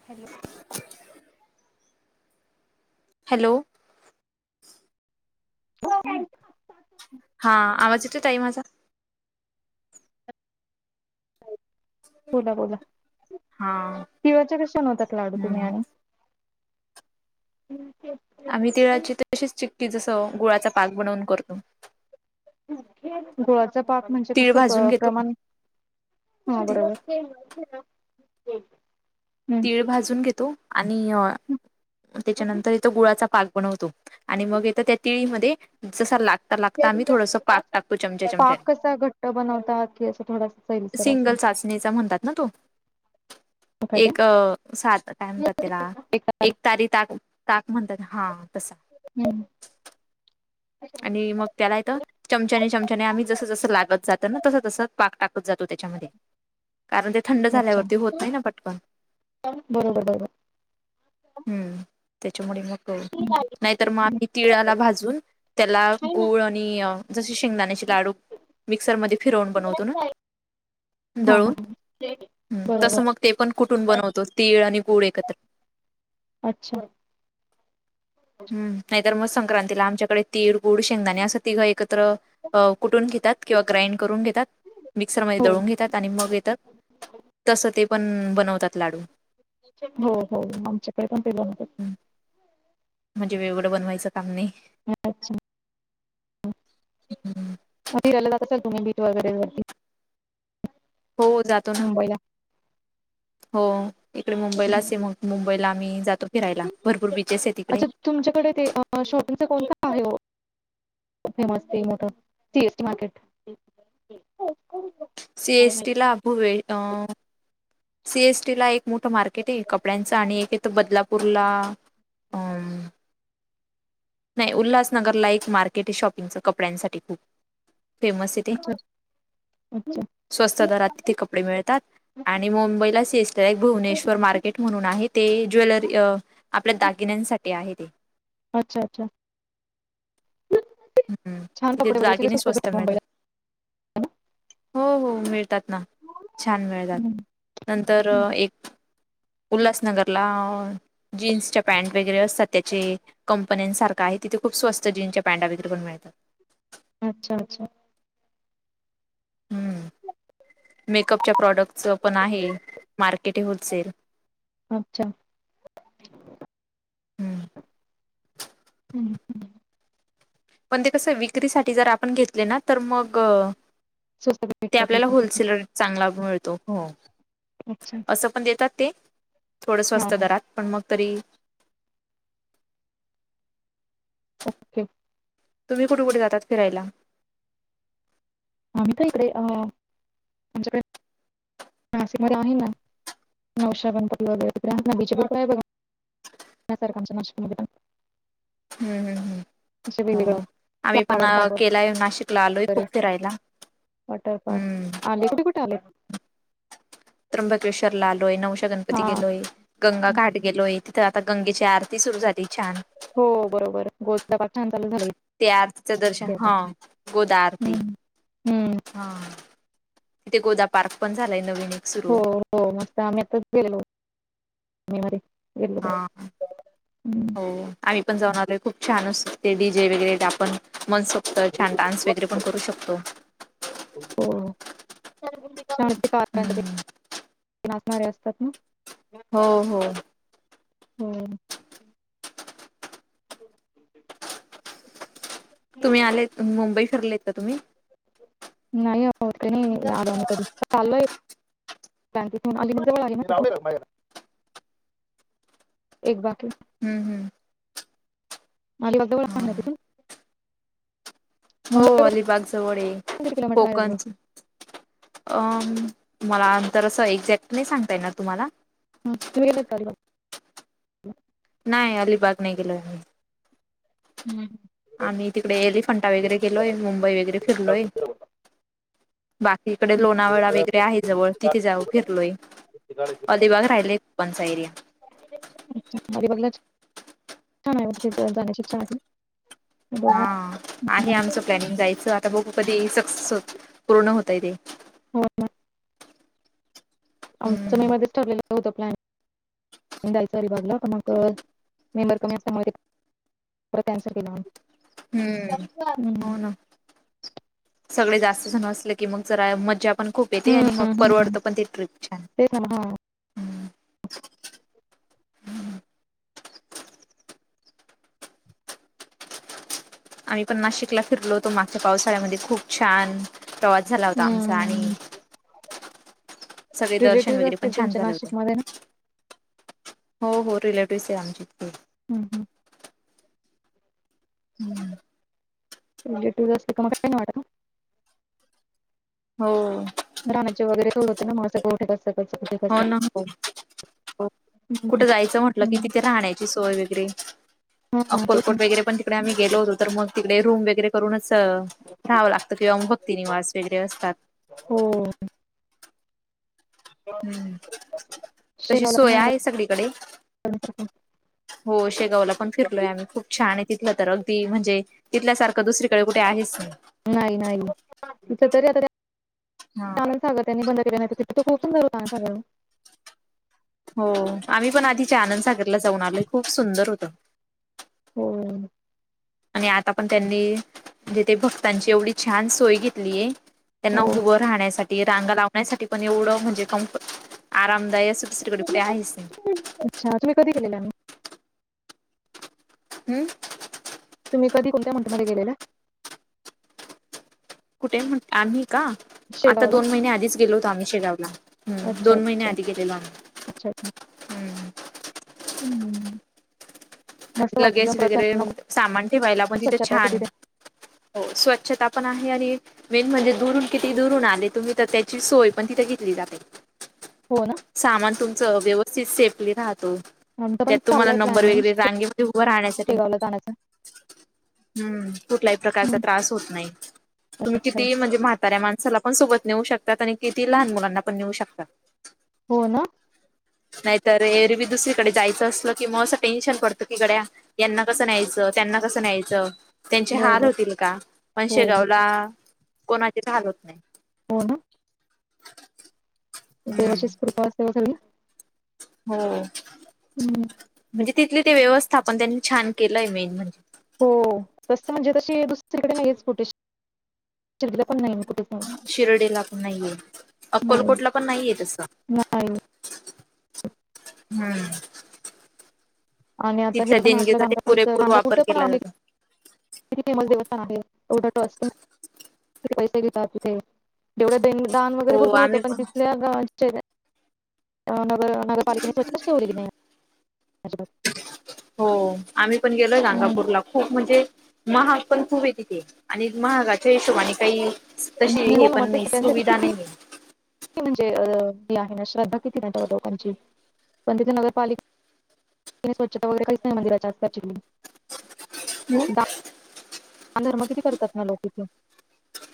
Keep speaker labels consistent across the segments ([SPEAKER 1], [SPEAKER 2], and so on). [SPEAKER 1] Hello. Hello.
[SPEAKER 2] [unintelligible]
[SPEAKER 1] हा आवाज येतोय ताई माझा?
[SPEAKER 2] बोला, बोला.
[SPEAKER 1] हा
[SPEAKER 2] तिळाच्या कशे बनवतात लाडू तुम्हीं
[SPEAKER 1] हम्म
[SPEAKER 2] आणि [unintelligible]
[SPEAKER 1] आम्हीं तिळाचे तशेंच चिक्की जसं गुळाचा पाक बनवून करतो.
[SPEAKER 2] गुळाचा पाक म्हणजे कस
[SPEAKER 1] तीळ भाजून घेतो
[SPEAKER 2] प्रमाण? ह बरोबर. [unintelligible]
[SPEAKER 1] तीळ भाजून घेतो आणि त्याच्यानंतर इथ गुळाचा पाक बनवतो. आणि मग इथं त्या तिळीमध्ये जसा लाग जसं लागता आम्ही थोडसं पाक टाकतो
[SPEAKER 2] पाक
[SPEAKER 1] चमच्या-चमच्यानी,
[SPEAKER 2] कसा घट्ट बनवतात की असं थोडासा सैलसर असा
[SPEAKER 1] सिंगल चास मे चा म्हणतात ना तो.
[SPEAKER 2] काय काय
[SPEAKER 1] एक अ सात काय म्हणतात त्याला, एक तारी ताक -ताक म्हणतात हां तसा.
[SPEAKER 2] हम्म
[SPEAKER 1] आणि मग त्याला इथं चमचाने- चमचाने आम्हीं जसं-जसं लागत जातं ना, तसं- तसं पाक टाकत जातो त्याच्यामध्ये. कारण ते थंड
[SPEAKER 2] अच्छा
[SPEAKER 1] झाल्यावरती होत नाही ना पटकन.
[SPEAKER 2] बरोबर बरोबर
[SPEAKER 1] हं.. त्याच्यामुळे मग, नाहीतर मग आम्हीं तिळाला भाजून ला गूळ आणि जसे शेंगदाण्याचे लाडू मिक्सर मध्ये फिरवून बनवतो ना,
[SPEAKER 2] हा, हा. ह.
[SPEAKER 1] ह.. तसं मग ते पण कुटून बनवतो तीळ आणि गुळ एकत्र.
[SPEAKER 2] अच्छा
[SPEAKER 1] हूं.. नाहीतर मग संक्रांतीला आमच्याकडे तीळ गुळ, शेंगदाणे असं तिघं एकत्र कुठून घेतात किंवा ग्राइंड करून घेतात. मिक्सरमध्ये
[SPEAKER 2] हो
[SPEAKER 1] दळून घेतात आणि मग येतात तस ते पण बनवतात लाडू.
[SPEAKER 2] हो, हो.. आमच्याकडे पण ते बनवतात.
[SPEAKER 1] म्हणजे वेगवेगडं बनवायचं काम नाही.
[SPEAKER 2] अच्छा
[SPEAKER 1] हुं..
[SPEAKER 2] मग फिरायला कसा तुम बीच वगैरे वरती-?
[SPEAKER 1] हो जातो ना,
[SPEAKER 2] मुंबईला
[SPEAKER 1] हो... इकडे मुंबईलाच हे मग मुंबईला आम्हीं जातो फिरायला भरपूर बीचेस आहेत ईकडे.
[SPEAKER 2] अच्छा तुमच्याकडे ते शॉपिंगचा कोणता आहे हो.? फेमस ते मोठं सीएसटी मार्केट.
[SPEAKER 1] सीएसटी ला अभूवे अं सीएसटी ला एक मोठं मार्केट आहे कपड्यांचं आणि एक इथंय बदलापूरला अ नाही उल्हासनगरला एक मार्केट आहे शॉपिंगचं कपड्यांसाठी खूप फेमस आहे ते.
[SPEAKER 2] अच्छा अच्छा
[SPEAKER 1] स्वस्त दरात तिथे कपडे मिळतात आणि मुंबईला सीएसटी ला एक असले एक भुवनेश्वर मार्केट पेठ म्हणून आहे ते ज्वेलरी अ आपल्या दागिन्यांसाठी आहे ते
[SPEAKER 2] अच्छा अच्छा
[SPEAKER 1] हम्म
[SPEAKER 2] छान कपडे
[SPEAKER 1] तिथ
[SPEAKER 2] वगैरे सगळे
[SPEAKER 1] दागिने स्वस्त
[SPEAKER 2] भेटतात मुंबईला
[SPEAKER 1] मिळतात. हो हो मिळतात ना छान मिळतात. नंतर
[SPEAKER 2] ना?
[SPEAKER 1] एक उल्हासनगरला जीन्सच्या पॅन्ट वगैरे असतात त्याचे कंपन्यांसारखं आहे तिथे खूप स्वस्त जीन्सच्या पॅन्टा कुठ पण मिळतात.
[SPEAKER 2] अच्छा अच्छा
[SPEAKER 1] हम्म मेकअपच्या प्रॉडक्टच पण आहे मार्केटिंग होलसेल
[SPEAKER 2] अच्छा
[SPEAKER 1] हम्म
[SPEAKER 2] हम् हम्
[SPEAKER 1] पण ते कसं विक्रीसाठी जर आपण घेतले ना तर मग
[SPEAKER 2] स्वस्त
[SPEAKER 1] ते
[SPEAKER 2] भेटतात
[SPEAKER 1] आपल्याला
[SPEAKER 2] विकायसाठी
[SPEAKER 1] होलसेल रेट चांगला मिळतो हो
[SPEAKER 2] अच्छा
[SPEAKER 1] तसं पण देतात ते, थोड
[SPEAKER 2] हा
[SPEAKER 1] स्वस्त
[SPEAKER 2] हा
[SPEAKER 1] दरात पण मग तरी
[SPEAKER 2] ओके.
[SPEAKER 1] तुम्ही कुठं कुठे जाता फिरायला.
[SPEAKER 2] आम्ही तर इकडे अ आमच्याकडे नाशिक मध्ये आहे ना नवश्या गणपती वगैरे ते [inaudible] आहे बघा पुण्यासारख आमच्या नाशिकमध्ये पण
[SPEAKER 1] हम्म हम्
[SPEAKER 2] असे
[SPEAKER 1] हम्
[SPEAKER 2] वेगवेगळं
[SPEAKER 1] हो आम्ही पण
[SPEAKER 2] फ्लावर पार्क
[SPEAKER 1] केलाय नाशिकला आलोय
[SPEAKER 2] वगैरे
[SPEAKER 1] खूप फिरायला.
[SPEAKER 2] वॉटर पार्क
[SPEAKER 1] हम्म
[SPEAKER 2] आले कुठे कुठे आले
[SPEAKER 1] त्र्यंबकेश्वरला आलोय नऊशा
[SPEAKER 2] हा
[SPEAKER 1] गणपती गेलोय. गंगाघाट गेलोय तिथं आता गंगेची आरती सुरू झाली छान
[SPEAKER 2] हो बरोबर गोदाबा छान चालू झालंय.
[SPEAKER 1] ते आजच आरतीच दर्शन हा गोदा आरती
[SPEAKER 2] हम्म हम्म
[SPEAKER 1] हा तिथे गोदा पार्क पण झालाय नवीन सुरू
[SPEAKER 2] हो हो मस्त आम्ही आताच गेलोलो. [inaudible]
[SPEAKER 1] हा हो आम्ही पण जाऊन आलोय खूप छान असतते डी जे वगैरे आपण मनसोक्त छान डान्स वगैरे पण करू शकतो.
[SPEAKER 2] [inaudible] आणणारे ते
[SPEAKER 1] हम्म
[SPEAKER 2] नाचणारे असतात ना.
[SPEAKER 1] हो हो
[SPEAKER 2] हम्म
[SPEAKER 1] तुम्ही आलेत मुंबई फिरलेत का तुम्ही?
[SPEAKER 2] नाही हो नाही आराम कर आलोय. बँकेतून आली जवळ आली. एक बाकी
[SPEAKER 1] हम्म हम्म
[SPEAKER 2] [unintelligible]
[SPEAKER 1] हो
[SPEAKER 2] मुंबई पासून
[SPEAKER 1] अलिबाग जवळये.
[SPEAKER 2] किती किलोमीटर आहे
[SPEAKER 1] कोकण
[SPEAKER 2] अलिबाग
[SPEAKER 1] अं, मला अंतर असं एक्झॅक्ट नाही सांगता येणार तुम्हाला?
[SPEAKER 2] हम्म तुम्ही गेल्यात का अलिबागला?
[SPEAKER 1] नाही अलिबाग नाही गेलोय आम्ही.
[SPEAKER 2] हम्म.
[SPEAKER 1] आम्ही तिकडे एलिफंटा वगैरे गेलोय. मुंबई वगैरे फिरलोय. बाकी ईकडे लोणावळा वैगेरे आहे जवळ, तिथे जाऊ फिरलोय. अलिबाग राहिले पणचा एरिया.
[SPEAKER 2] अलिबागला छा- छान आहे तिथं जाण्याची इच्छा आहे. हो
[SPEAKER 1] हां, आहे आमचं प्लॅनिंग जायचं आता बघू कधी सक्सेस पूर्ण होतय ते.
[SPEAKER 2] हो ना? आमच मे
[SPEAKER 1] हम्म
[SPEAKER 2] मध्येच ठेरलेलं होतं प्लॅन जायचं अलिबागला, पण मग मेंबर कमी असल्यामुळे परत कॅन्सल केलं
[SPEAKER 1] हम्म
[SPEAKER 2] आम्ही हम्म.
[SPEAKER 1] हो ना. सगळे जास्त जण असलं की मग जरा मज्जा पण खूप येते आणि मग
[SPEAKER 2] हम्म
[SPEAKER 1] परवडतं पण ते ट्रीप छान.
[SPEAKER 2] तेच ना मग हां.
[SPEAKER 1] हम्म आम्ही पण नाशिकला फिरलो होतो मागच्या पावसाळ्यामध्ये. खूप छान प्रवास झाला होता आमचा. आणि सगळे दर्शन
[SPEAKER 2] रिलेटिव्हस
[SPEAKER 1] वगैरे पण
[SPEAKER 2] असतील
[SPEAKER 1] छान
[SPEAKER 2] तुमचे
[SPEAKER 1] झालं होतं.
[SPEAKER 2] नाशिक मध्ये ना?
[SPEAKER 1] हो हो रिलेटिव्हस आहे आमची तिथे.
[SPEAKER 2] हम्म हम्म.
[SPEAKER 1] हम्म.
[SPEAKER 2] रिलेटिव्हस असले की मग काही नाही वाटत ओ.
[SPEAKER 1] हो.
[SPEAKER 2] राहाण्याची वगैरे सोय होते ना मग असं कुठे कसं कसं
[SPEAKER 1] हो
[SPEAKER 2] कसं
[SPEAKER 1] ना हो
[SPEAKER 2] हम्म
[SPEAKER 1] कुठे जायचं म्ह टल की
[SPEAKER 2] हम्म
[SPEAKER 1] तिथे राहण्याची सोय वगैरे,
[SPEAKER 2] हा तेच ना
[SPEAKER 1] अक्कलकोट वगैरे पण तिकडे आम्ही गेलो होत तर मग तिकडे रूम वैगेरे करूनच राहावं लागतं, किंवा भक्ती निवास वैगेरे असतात.
[SPEAKER 2] हो.
[SPEAKER 1] हम्म तशी सोय आहे सगळीकडे.
[SPEAKER 2] नाहीतर काय?
[SPEAKER 1] हो, शेगावला पण फिरलोय आम्ही खूप छान आहे. तिथलं तर अगदी म्हणजे तिथल्यासारखं दुसरीकडे कुठे आहेच नाही.
[SPEAKER 2] नाही नाही तिथ तरी आता त्या
[SPEAKER 1] हां.
[SPEAKER 2] आनंदसागर त्यांनी बंद केला, नाहीतर तिथं तो खूप सुंदर होतं आनंदसागर ओ.
[SPEAKER 1] हो आम्ही पण आधीच्या आनंदसागरला जाऊन आलोय. खूप सुंदर होत.
[SPEAKER 2] होय.
[SPEAKER 1] आणि आता पण त्यांनी म्हणजे ते भक्तांची एवढी छान सोय घेतलीये. त्यांना
[SPEAKER 2] हो
[SPEAKER 1] उभं राहण्यासाठी, रांगा लावण्यासाठी पण एवढं म्हणजे कमफ- आरामदायी असं दुसरीकडे कुठे आहेच नाही.
[SPEAKER 2] अच्छा! तुम्ही कधी गेलेल्या आणि?
[SPEAKER 1] हम्म?
[SPEAKER 2] तुम्ही कधी कोणत्या मंथमध्ये गेलेल्या?
[SPEAKER 1] कुठे म्हण आम्ही का? आता
[SPEAKER 2] शेगावला
[SPEAKER 1] दोन महिने आधीच गेलो होतो आम्ही शेगावला. हम्म
[SPEAKER 2] अच्छा!
[SPEAKER 1] दोन महिने
[SPEAKER 2] अच्छा!
[SPEAKER 1] आधी गेलेलो आम्ही
[SPEAKER 2] अच्छा!
[SPEAKER 1] हम्म
[SPEAKER 2] चुकंन म्हणून.
[SPEAKER 1] लगेज वगैरे. सामान ठेवायला पण
[SPEAKER 2] खूप
[SPEAKER 1] तिथं,
[SPEAKER 2] स्वच्छता असते
[SPEAKER 1] छान.
[SPEAKER 2] तिथे
[SPEAKER 1] हो. स्वच्छता पण आहे आणि मेन म्हणजे, दुरून किती दुरून आले तुम्ही. तर त्याची सोय पण तिथे घेतली जाते.
[SPEAKER 2] हो, ना.
[SPEAKER 1] सामान तुमचं, व्यवस्थित सेफली राहतो.
[SPEAKER 2] आमचं पण
[SPEAKER 1] त्यात तुम्हाला
[SPEAKER 2] चाललंय
[SPEAKER 1] नंबर
[SPEAKER 2] प्लॅनिंग
[SPEAKER 1] वगैरे, रांगे त उभं राहण्यासाठी.
[SPEAKER 2] शेगावला जाण्याचं
[SPEAKER 1] हम्म. कुठल्याही प्रकारचा
[SPEAKER 2] हम्म.
[SPEAKER 1] त्रास होत नाही. तुम्ही
[SPEAKER 2] अच्छा
[SPEAKER 1] किती म्हणजे, म्हाताऱ्या माणसाला पण सोबत नेऊ शकतात आणि किती लहान मुलांना पण नेऊ शकतात.
[SPEAKER 2] हो, ना.
[SPEAKER 1] नाहीतर, एरवी दुसरीकडे जायचं असलं, कि मग असं टेन्शन पड तं की गड्या, यांना कसं न्यायचं. त्यांना कसं न्यायचं. त्यांचे हाल
[SPEAKER 2] बरोबर
[SPEAKER 1] होतील का? पण
[SPEAKER 2] हो
[SPEAKER 1] शेगावला, कोणाचेच हाल होत नाही.
[SPEAKER 2] हो, ना. देवाचीच कृपा असावी, झाली.
[SPEAKER 1] होओ.
[SPEAKER 2] हम्.
[SPEAKER 1] म्हणजे तिथले ते व्यवस्थापन. त्यांनी छान केलंय, मेन म्हणजे.
[SPEAKER 2] हो. तसं म्हणजे तशी, दुसरीकडे नाहीच कुठे शाळा. शिर्डीला पण नाही, कुठच.
[SPEAKER 1] शिर्डीला पण नाहीये.
[SPEAKER 2] नाही,
[SPEAKER 1] अक्कलकोटला पण नाहीये तसं. [inaudible]
[SPEAKER 2] नाही
[SPEAKER 1] हम्म.
[SPEAKER 2] आणि आता हे
[SPEAKER 1] तिथल्या
[SPEAKER 2] बघा ना, आपल्या
[SPEAKER 1] देणगीसाठी
[SPEAKER 2] गाणगापूरचं.
[SPEAKER 1] पुरेपूर वापर
[SPEAKER 2] गाणगापूरचं पण
[SPEAKER 1] केला
[SPEAKER 2] आहे.
[SPEAKER 1] जातो.
[SPEAKER 2] किती फेमस देवस्थान आहे. एवढं ट्रस्ट किती पैसे घेतात, तिथे. जेवढं देन - दानं वगैरे
[SPEAKER 1] हो
[SPEAKER 2] भरपूर होतं.
[SPEAKER 1] आम्ही
[SPEAKER 2] पण तिथल्या, गावाचे अ नगर नगरपालिकेने स्वच्छताच ठेवलेली नाही. अजिबात.
[SPEAKER 1] हो, आम्ही पण गेलोय,
[SPEAKER 2] हं.
[SPEAKER 1] गाणगापूरला. खूप म्हणजे, महाग पण खूपय तिथे आणि महागाच्या हिशोबाने कायी स् तशी हे
[SPEAKER 2] हो ना, मग
[SPEAKER 1] पण
[SPEAKER 2] तेच
[SPEAKER 1] नाही.
[SPEAKER 2] त्यांचं
[SPEAKER 1] सुविधा
[SPEAKER 2] किती
[SPEAKER 1] नाहीये.
[SPEAKER 2] म्हणजे अ ही आहे ना. श्रद्धा कितीत लोकांची. पण तिथं नगरपालि ची स्वच्छता वगैरे, काहीच नाही. मंदिराच्या आत. ऍक्च्युली.
[SPEAKER 1] [unintelligible]
[SPEAKER 2] दानधर्म किती करतात ना, लोक तिथं.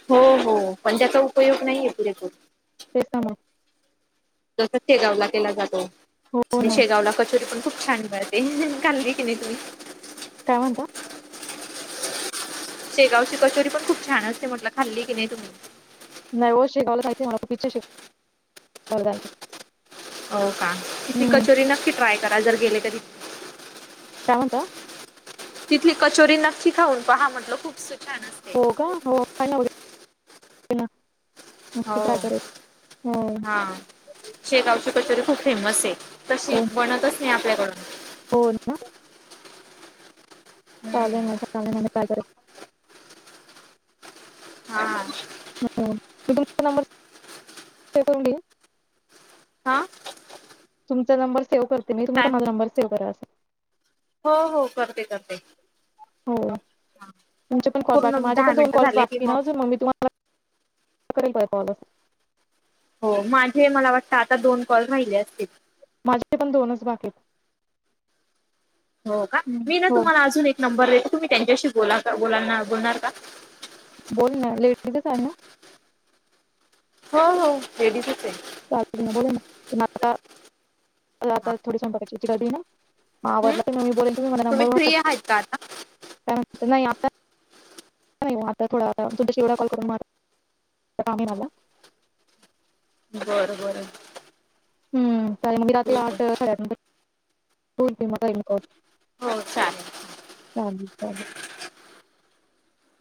[SPEAKER 1] हो, हो. पण ज्याचा उपयोग नाहीये, पुरेपूर.
[SPEAKER 2] तेच ना, मग.
[SPEAKER 1] जसं शेगावला केला जातो.
[SPEAKER 2] हो
[SPEAKER 1] आणि
[SPEAKER 2] ना
[SPEAKER 1] शेगावला कचोरी पण खूप छान बरं ते, खाल्ली की नाही, तुम्ही.
[SPEAKER 2] काय म्हणता?
[SPEAKER 1] शेगावची कचोरी पण खूप छान असते. म्हटलं, खाल्ली की, नाही तुम्ही.
[SPEAKER 2] नाही ओ. शेगावला जायचंय मला. खूप इच्छाय, शेगावला जायचं.
[SPEAKER 1] हो, का? तिथली
[SPEAKER 2] हम्म
[SPEAKER 1] कचोरी नक्की ट्राय करा. जर गेले कधी
[SPEAKER 2] काय म्हणता?
[SPEAKER 1] तिथली कचोरी नक्की खाऊन पहा म्हटलं. खूप स छान असते.
[SPEAKER 2] हो, का? हो. खाईन नं. [unintelligible] नक्की
[SPEAKER 1] हो
[SPEAKER 2] ट्राय करेन. हो.
[SPEAKER 1] हा शेगावची कचोरी खूप फेमस आहे. तशी
[SPEAKER 2] हो
[SPEAKER 1] बनतच नाही आपल्याकडून.
[SPEAKER 2] हो ना.
[SPEAKER 1] [unintelligible]
[SPEAKER 2] चालेल ना. चालेल कालपर्यंत
[SPEAKER 1] हा
[SPEAKER 2] हो सेव्ह करून घेईन
[SPEAKER 1] हा
[SPEAKER 2] तुमचा नंबर सेव करते मी. तुम्ही
[SPEAKER 1] काय
[SPEAKER 2] पण माझा नंबर सेव्ह करा अस.
[SPEAKER 1] हो हो करते करते.
[SPEAKER 2] हो. तुमचे पण दोन कॉल.
[SPEAKER 1] पूर्ण
[SPEAKER 2] माझे
[SPEAKER 1] दहा
[SPEAKER 2] पण दोन
[SPEAKER 1] मिनिटं
[SPEAKER 2] कॉल्स
[SPEAKER 1] झाले की
[SPEAKER 2] बाकी ना अजून मग मी तुम्हा कुठपर्यंत आहे कॉल वर.
[SPEAKER 1] हो माझे मला वाटतं आता दोन कॉल राहिले असतील.
[SPEAKER 2] माझे पण दोनच बाकी आहेत.
[SPEAKER 1] हो का?
[SPEAKER 2] हम्म.
[SPEAKER 1] मी ना
[SPEAKER 2] हो
[SPEAKER 1] तुम्हाला अजून एक नंबर देतो तुम्ही त्यांच्याशी बोला बोलाल ना? बोलणार का?
[SPEAKER 2] बोल ना. लेडिजच आहे ना?
[SPEAKER 1] हो हो लेडीजच आहे.
[SPEAKER 2] बोला ना. मग आपला
[SPEAKER 1] हा.
[SPEAKER 2] आपल्याला थोडी सांभाळायची. त्याला देणार.
[SPEAKER 1] हम्म
[SPEAKER 2] आवडलं म मी बोलेल तुम्ही मला नंबर व्हॉटसॲप
[SPEAKER 1] फ्री आहात का आता
[SPEAKER 2] काय म्हणत नाही आता नाही वो आता थोडा आता तुमच्याशी एवढा कॉल करून म काम नाही राहला
[SPEAKER 1] बरं बरं.
[SPEAKER 2] हम्म चालेल मी रात्री
[SPEAKER 1] ठीक
[SPEAKER 2] आठ साडेआठ नंतर बोलते मी कॉल करून.
[SPEAKER 1] हो चालेल.
[SPEAKER 2] चालेल चालेल.